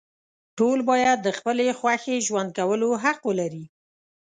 ټول باید د خپلې خوښې ژوند کولو حق ولري.